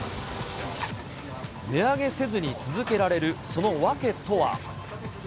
値上げせずに続けられるその訳とは？